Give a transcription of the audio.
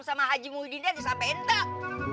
sama haji muhyiddin dia disampaikan teh